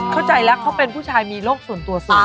เข้าใจแล้วเขาเป็นผู้ชายมีโรคส่วนตัวสูง